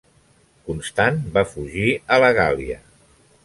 Constant va fugir a la Gàl·lia.